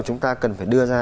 chúng ta cần phải đưa ra